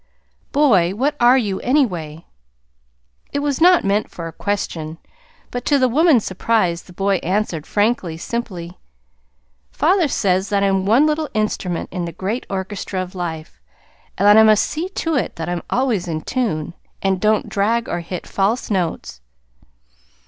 "Boy, what are you, anyway?" It was not meant for a question, but, to the woman's surprise, the boy answered, frankly, simply: "Father says that I'm one little instrument in the great Orchestra of Life, and that I must see to it that I'm always in tune, and don't drag or hit false notes."